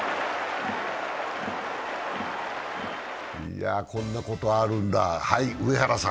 いや、こんなことあるんだ。